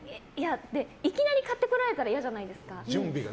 いきなり買ってこられたら嫌じゃないですか。